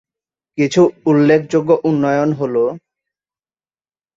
কিছু উল্লেখযোগ্য উন্নয়ন হল-